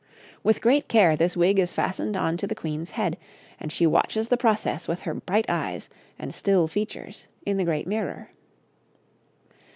With great care this wig is fastened on to the Queen's head, and she watches the process with her bright eyes and still features in the great mirror.